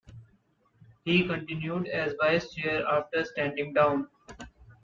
He continued as Vice-Chair after standing down.